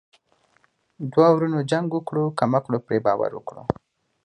دوه ورونو جنګ وکړو کم عقلو پري باور وکړو.